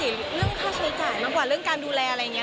เรื่องค่าใช้จ่ายมากกว่าเรื่องการดูแลอะไรอย่างนี้